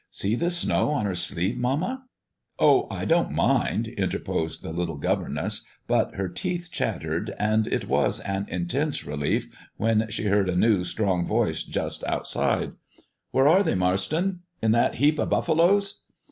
See the snow on her sleeve, mamma." "Oh, I don't mind," interposed the little governess; but her teeth chattered, and it was an intense relief when she heard a new, strong voice just outside: "Where are they, Marston? In that heap of buffaloes?"